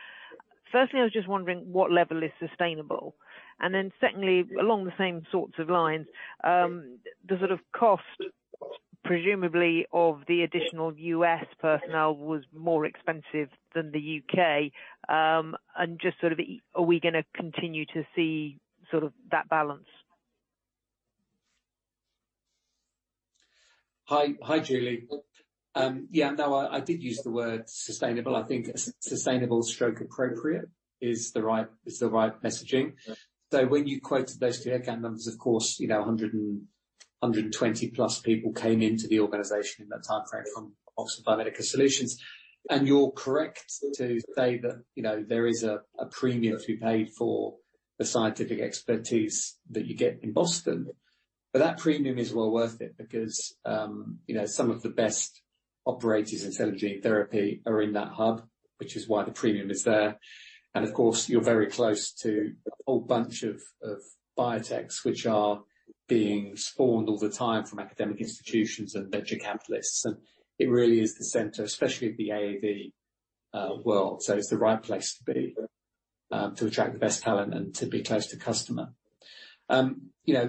Firstly, I was just wondering what level is sustainable. Then secondly, along the same sorts of lines, the sort of cost presumably of the additional US personnel was more expensive than the U.K. Just sort of, are we gonna continue to see sort of that balance? Hi. Hi, Julie. Yeah, no, I did use the word sustainable. I think sustainable stroke appropriate is the right messaging. When you quoted those headcount numbers, of course, you know, 120+ people came into the organization in that timeframe from Oxford Biomedica Solutions. You're correct to say that, you know, there is a premium to be paid for the scientific expertise that you get in Boston. That premium is well worth it because, you know, some of the best operators in cell and gene therapy are in that hub, which is why the premium is there. Of course, you're very close to a whole bunch of biotechs which are being spawned all the time from academic institutions and venture capitalists. It really is the center, especially of the AAV world. It's the right place to be to attract the best talent and to be close to customer. You know,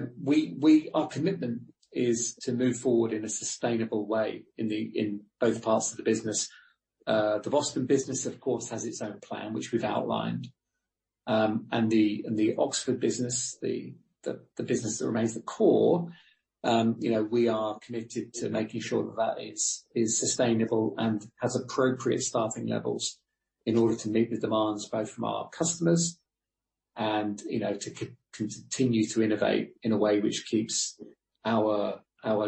our commitment is to move forward in a sustainable way in both parts of the business. The Boston business of course has its own plan, which we've outlined. The Oxford business, the business that remains the core, you know, we are committed to making sure that that is sustainable and has appropriate staffing levels in order to meet the demands both from our customers and, you know, to continue to innovate in a way which keeps our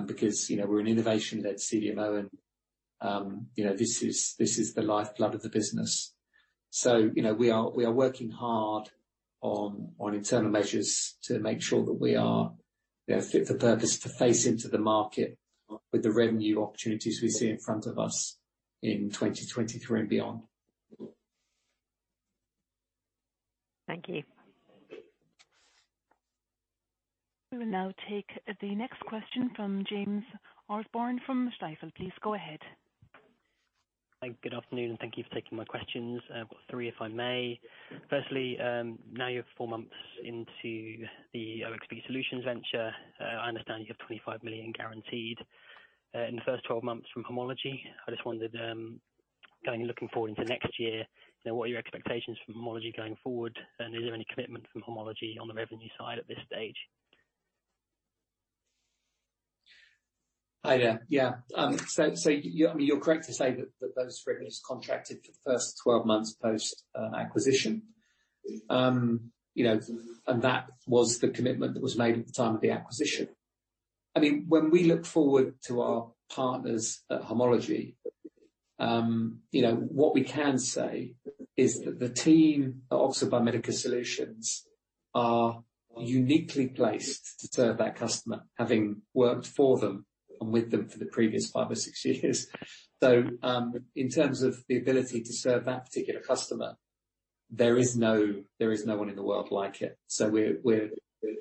lead, because, you know, we're an innovation-led CDMO and, you know, this is the lifeblood of the business. You know, we are working hard on internal measures to make sure that we are, you know, fit for purpose to face into the market with the revenue opportunities we see in front of us in 2023 and beyond. Thank you. We will now take the next question from James Orsborne from Stifel. Please go ahead. Hi. Good afternoon, and thank you for taking my questions. I've got three, if I may. Firstly, now you're four months into the OXB Solutions venture, I understand you have 25 million guaranteed in the first 12 months from Homology Medicines. I just wondered, kind of looking forward into next year, you know, what are your expectations from Homology Medicines going forward, and is there any commitment from Homology Medicines on the revenue side at this stage? Hi there. Yeah. I mean, you're correct to say that those figures contracted for the first 12 months post acquisition. That was the commitment that was made at the time of the acquisition. I mean, when we look forward to our partners at Homology, you know, what we can say is that the team at Oxford Biomedica Solutions are uniquely placed to serve that customer, having worked for them and with them for the previous five or six years. In terms of the ability to serve that particular customer, there is no one in the world like it. We're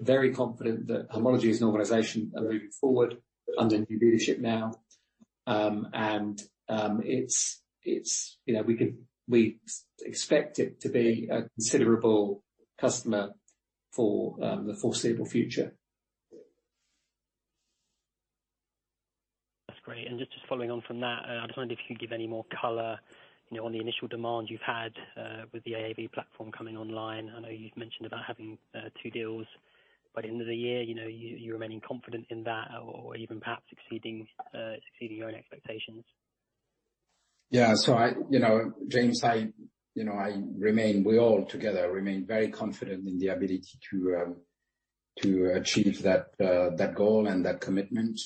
very confident that Homology as an organization are moving forward under new leadership now. It's, you know, we expect it to be a considerable customer for the foreseeable future. That's great. Just following on from that, I just wondered if you could give any more color, you know, on the initial demand you've had with the AAV platform coming online. I know you've mentioned about having two deals, but end of the year, you know, you remaining confident in that or even perhaps exceeding your own expectations. Yeah. You know, James, we all remain very confident in the ability to achieve that goal and that commitment.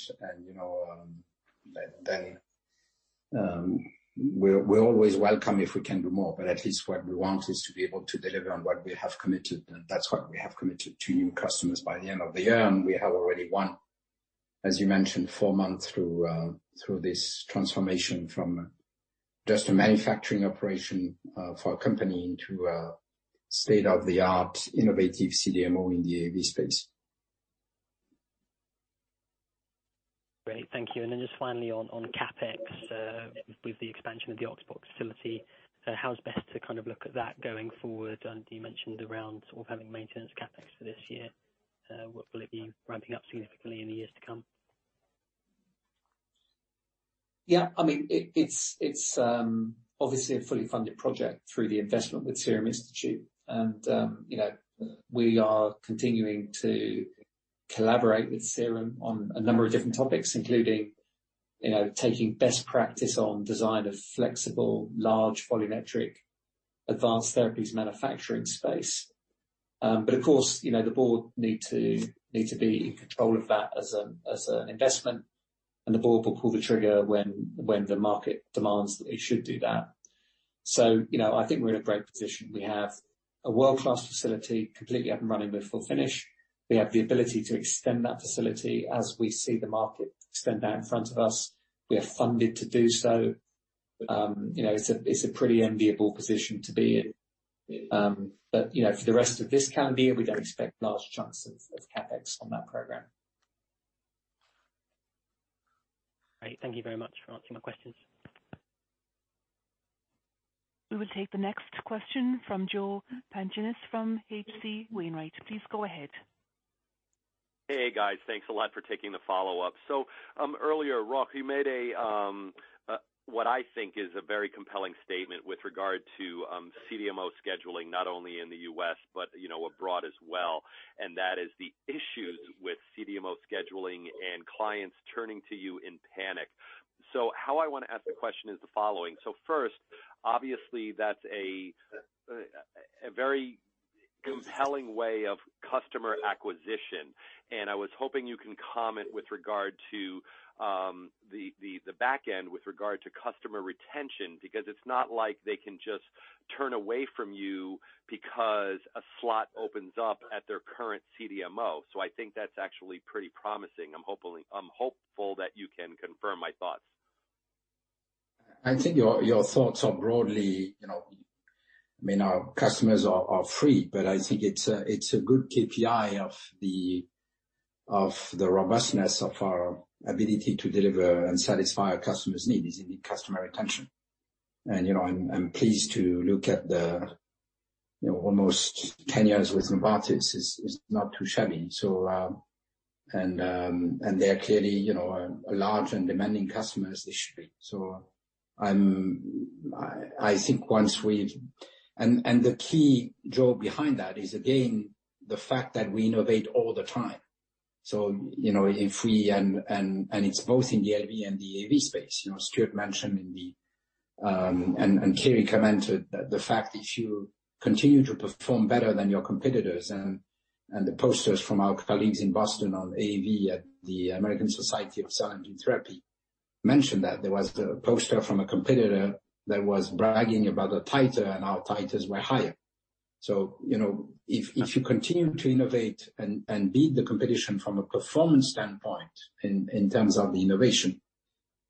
You know, we're always welcome if we can do more, but at least what we want is to be able to deliver on what we have committed, and that's what we have committed to new customers by the end of the year. We're now, as you mentioned, four months through this transformation from just a manufacturing operation for a company into a state-of-the-art innovative CDMO in the AAV space. Great. Thank you. Just finally on CapEx, with the expansion of the Oxford facility, how's best to kind of look at that going forward? You mentioned around sort of having maintenance CapEx for this year. Will it be ramping up significantly in the years to come? Yeah, I mean, it's obviously a fully funded project through the investment with Serum Institute. We are continuing to collaborate with Serum on a number of different topics, including, you know, taking best practice on design of flexible, large volumetric advanced therapies manufacturing space. But of course, you know, the board need to be in control of that as an investment. The board will pull the trigger when the market demands that it should do that. You know, I think we're in a great position. We have a world-class facility completely up and running with fill finish. We have the ability to extend that facility as we see the market extend out in front of us. We are funded to do so. You know, it's a pretty enviable position to be in. You know, for the rest of this calendar year, we don't expect large chunks of CapEx on that program. Great. Thank you very much for answering my questions. We will take the next question from Joe Pantginis from H.C. Wainwright & Co. Please go ahead. Hey guys, thanks a lot for taking the follow-up. Earlier, Roch, you made what I think is a very compelling statement with regard to CDMO scheduling, not only in the U.S., but, you know, abroad as well, and that is the issues with CDMO scheduling and clients turning to you in panic. How I wanna ask the question is the following. First, obviously, that's a very compelling way of customer acquisition, and I was hoping you can comment with regard to the back end with regard to customer retention, because it's not like they can just turn away from you because a slot opens up at their current CDMO. I think that's actually pretty promising. I'm hopeful that you can confirm my thoughts. I think your thoughts are broadly, you know. I mean, our customers are free, but I think it's a good KPI of the robustness of our ability to deliver and satisfy our customers' needs is in the customer retention. You know, I'm pleased to look at the, you know, almost 10 years with Novartis is not too shabby. They're clearly, you know, a large and demanding customer as they should be. I think once we've. The key driver behind that is again, the fact that we innovate all the time. You know, if we. It's both in the LV and the AAV space. You know, Stuart mentioned in the and Kyri commented that the fact that you continue to perform better than your competitors and the posters from our colleagues in Boston on AAV at the American Society of Gene Therapy mentioned that. There was a poster from a competitor that was bragging about the titer and our titers were higher. You know, if you continue to innovate and beat the competition from a performance standpoint in terms of the innovation,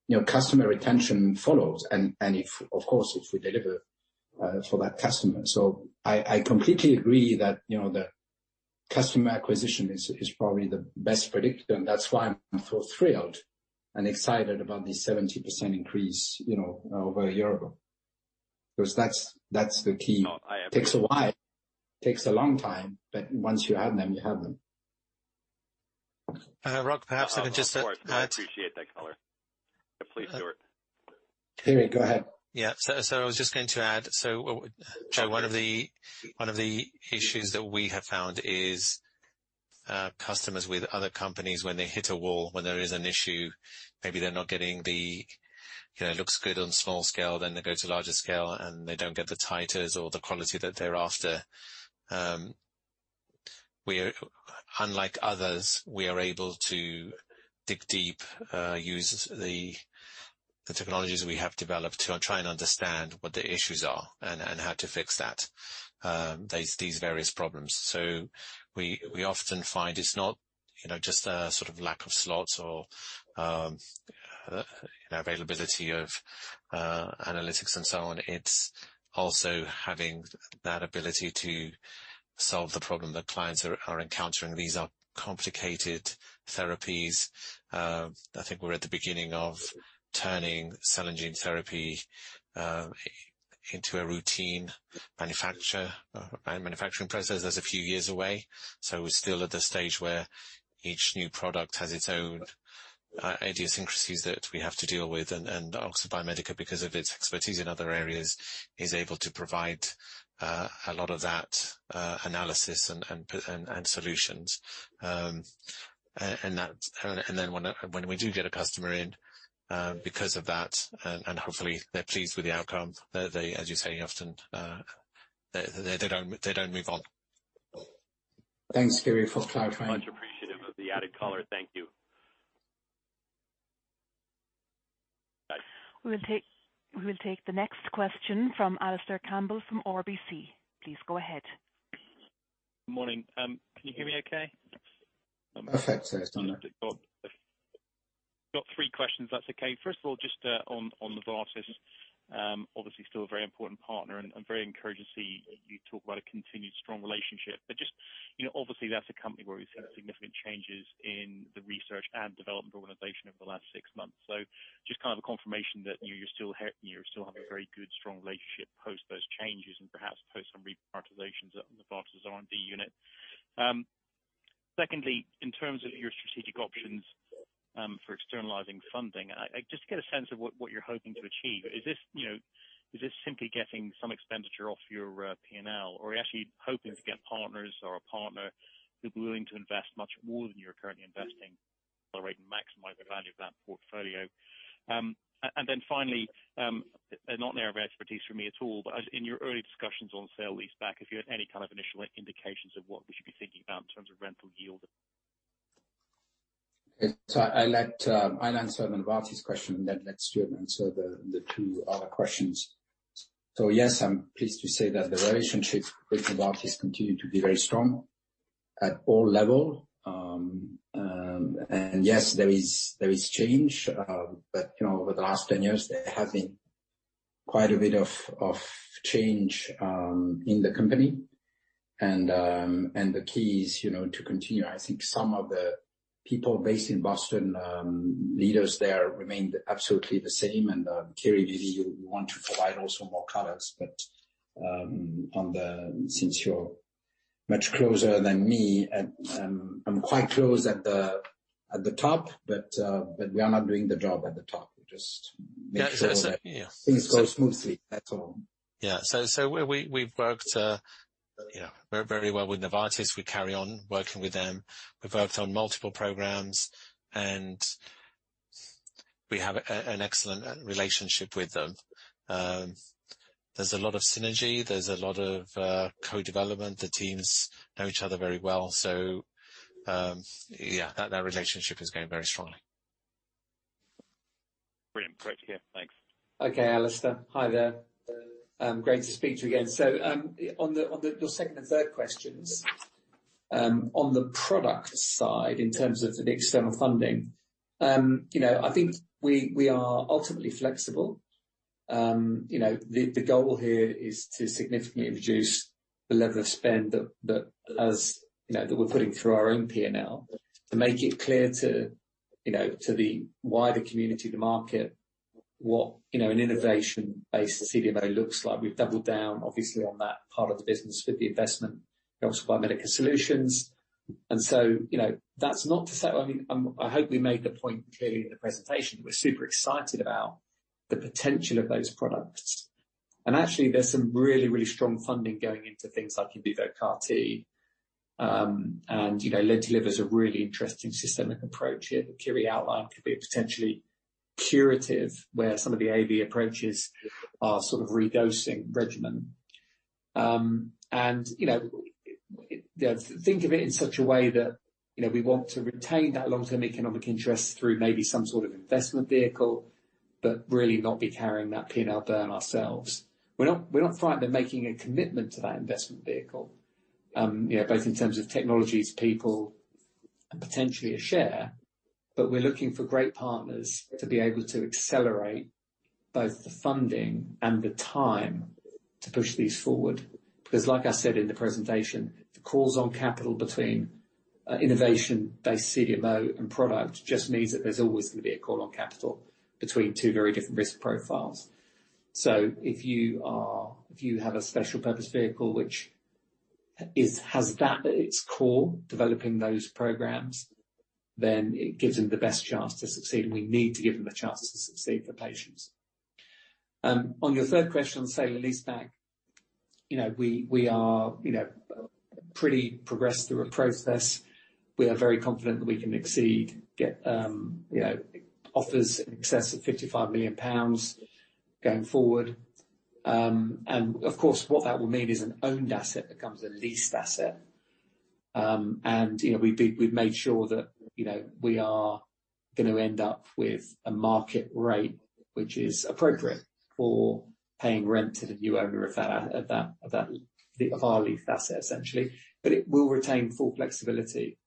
you know, customer retention follows and if, of course, we deliver for that customer. I completely agree that, you know, the customer acquisition is probably the best predictor, and that's why I'm so thrilled and excited about this 70% increase, you know, over a year ago. Because that's the key. No, I agree. Takes a while. Takes a long time, but once you have them, you have them. Roch, perhaps I can just add- Of course. I appreciate that color. Please do it. Kyri, go ahead. I was just going to add. One of the issues that we have found is customers with other companies, when they hit a wall, when there is an issue, maybe they're not getting the, you know, it looks good on small scale, then they go to larger scale, and they don't get the titers or the quality that they're after. Unlike others, we are able to dig deep, use the technologies we have developed to try and understand what the issues are and how to fix that, these various problems. We often find it's not, you know, just a sort of lack of slots or availability of analytics and so on. It's also having that ability to solve the problem that clients are encountering. These are complicated therapies. I think we're at the beginning of turning cell and gene therapy into a routine manufacturing process. That's a few years away. We're still at the stage where each new product has its own idiosyncrasies that we have to deal with. Oxford Biomedica, because of its expertise in other areas, is able to provide a lot of that analysis and solutions. That's when we do get a customer in, because of that, and hopefully they're pleased with the outcome, they, as you say, often, they don't move on. Thanks, Kyri, for clarifying. Much appreciative of the added color. Thank you. We'll take the next question from Alistair Campbell, from RBC. Please go ahead. Morning. Can you hear me okay? Perfect. Got three questions, if that's okay. First of all, just on Novartis. Obviously still a very important partner, and I'm very encouraged to see you talk about a continued strong relationship. Just, you know, obviously, that's a company where we've seen significant changes in the research and development organization over the last six months. Just kind of a confirmation that you still have a very good, strong relationship post those changes and perhaps post some reprioritizations of Novartis R&D unit. Secondly, in terms of your strategic options, for externalizing funding, I just want to get a sense of what you're hoping to achieve. Is this, you know, is this simply getting some expenditure off your P&L, or are you actually hoping to get partners or a partner who'd be willing to invest much more than you're currently investing to accelerate and maximize the value of that portfolio? And then finally, not an area of expertise for me at all, but as in your early discussions on sale-leaseback, if you had any kind of initial indications of what we should be thinking about in terms of rental yield? I'll answer the Novartis question, then let Stuart answer the two other questions. Yes, I'm pleased to say that the relationships with Novartis continue to be very strong at all levels. Yes, there is change, but you know, over the last 10 years, there has been quite a bit of change in the company. The key is, you know, to continue. I think some of the people based in Boston, leaders there remained absolutely the same. Kyri, maybe you want to provide also more color, but since you're much closer than me. I'm quite close at the top, but we are not doing the job at the top. We're just making sure. Yeah. Things go smoothly. That's all. Yeah. We've worked, you know, very well with Novartis. We carry on working with them. We've worked on multiple programs, and we have an excellent relationship with them. There's a lot of synergy, there's a lot of co-development. The teams know each other very well. Yeah, that relationship is going very strongly. Brilliant. Great to hear. Thanks. Okay, Alistair. Hi there. Great to speak to you again. On your second and third questions, on the product side, in terms of the external funding, you know, I think we are ultimately flexible. You know, the goal here is to significantly reduce the level of spend that as you know that we're putting through our own P&L to make it clear to you know to the wider community, the market, what you know an innovation-based CDMO looks like. We've doubled down, obviously, on that part of the business with the investment in Oxford Biomedica Solutions. You know, that's not to say. I mean, I hope we made the point clearly in the presentation. We're super excited about the potential of those products. Actually, there's some really, really strong funding going into things like in vivo CAR-T. You know, LentiVector is a really interesting systemic approach here that Kyri outlined could be potentially curative, where some of the AAV approaches are sort of redosing regimen. You know, think of it in such a way that, you know, we want to retain that long-term economic interest through maybe some sort of investment vehicle, but really not be carrying that P&L burn ourselves. We're not frightened of making a commitment to that investment vehicle, you know, both in terms of technologies, people, and potentially a share. But we're looking for great partners to be able to accelerate both the funding and the time to push these forward. Because like I said in the presentation, the calls on capital between innovation-based CDMO and product just means that there's always gonna be a call on capital between two very different risk profiles. If you have a special purpose vehicle, which has that at its core, developing those programs, then it gives them the best chance to succeed, and we need to give them a chance to succeed for patients. On your third question, sale and lease back. We are pretty progressed through a process. We are very confident that we can get offers in excess of 55 million pounds going forward. Of course, what that will mean is an owned asset becomes a leased asset. You know, we've made sure that, you know, we are gonna end up with a market rate which is appropriate for paying rent to the new owner of our leased asset, essentially. It will retain full flexibility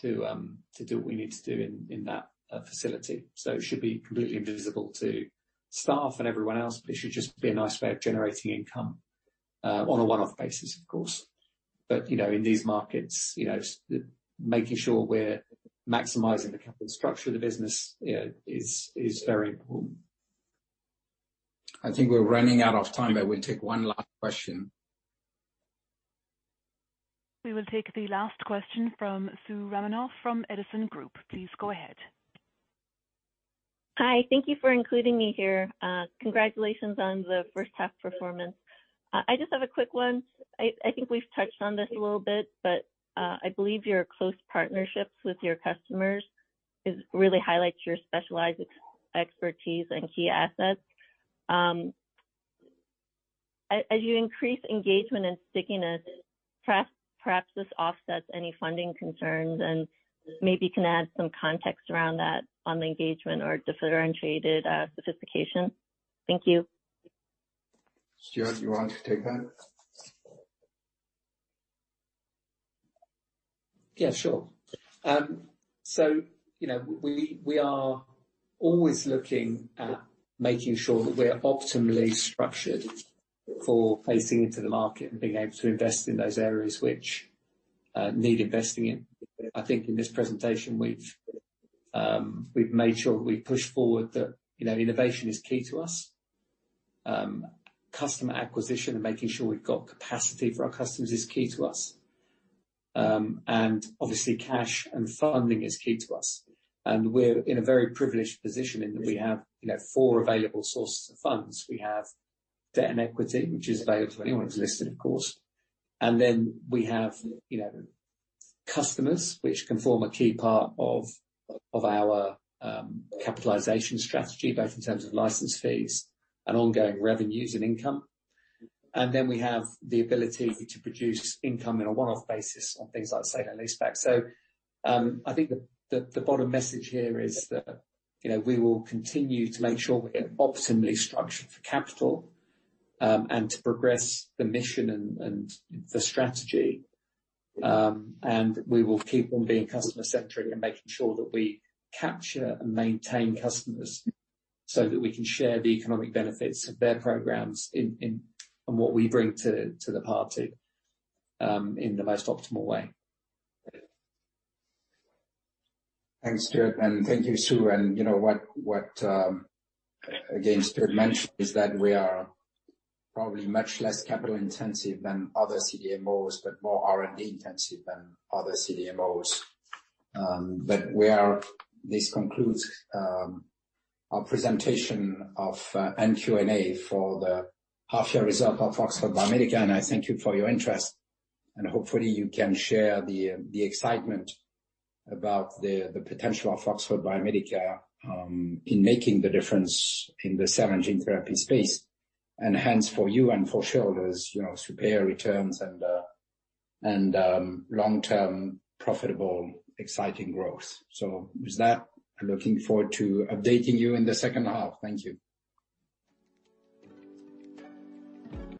to do what we need to do in that facility. It should be completely invisible to staff and everyone else, but it should just be a nice way of generating income on a one-off basis, of course. You know, in these markets, you know, making sure we're maximizing the capital structure of the business, you know, is very important. I think we're running out of time, but we'll take one last question. We will take the last question from Soo Romanoff from Edison Group. Please go ahead. Hi, thank you for including me here. Congratulations on the first half performance. I just have a quick one. I think we've touched on this a little bit, but I believe your close partnerships with your customers is really highlights your specialized expertise and key assets. As you increase engagement and stickiness, perhaps this offsets any funding concerns and maybe can add some context around that on the engagement or differentiated sophistication. Thank you. Stuart, you want to take that? Yeah, sure. You know, we are always looking at making sure that we're optimally structured for facing into the market and being able to invest in those areas which need investing in. I think in this presentation we've made sure that we push forward the, you know, innovation is key to us. Customer acquisition and making sure we've got capacity for our customers is key to us. Obviously cash and funding is key to us. We're in a very privileged position in that we have, you know, four available sources of funds. We have debt and equity, which is available to anyone who's listed, of course. We have, you know, customers which can form a key part of our capitalization strategy, both in terms of license fees and ongoing revenues and income. We have the ability to produce income on a one-off basis on things like sale and lease back. I think the bottom message here is that, you know, we will continue to make sure we're optimally structured for capital, and to progress the mission and the strategy. We will keep on being customer-centric and making sure that we capture and maintain customers so that we can share the economic benefits of their programs in on what we bring to the party, in the most optimal way. Thanks, Stuart, and thank you, Soo. You know what, again, Stuart mentioned is that we are probably much less capital-intensive than other CDMOs, but more R&D intensive than other CDMOs. This concludes our presentation of and Q&A for the half year result of Oxford Biomedica, and I thank you for your interest. Hopefully you can share the excitement about the potential of Oxford Biomedica in making the difference in the cell and gene therapy space. Hence for you and for shareholders, you know, superior returns and long-term, profitable, exciting growth. With that, I'm looking forward to updating you in the second half. Thank you.